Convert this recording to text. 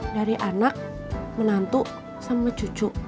dari anak menantu sama cucu